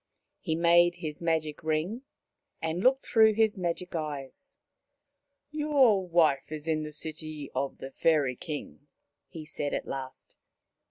He made his magic ring and looked through his magic eyes. " Your wife is in the city of the Fairy King," he said at last.